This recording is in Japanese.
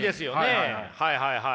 はいはいはい。